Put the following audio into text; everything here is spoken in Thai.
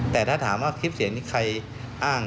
แต่ถ้าถามว่าคลิปเสียงนี้ใครอ้าง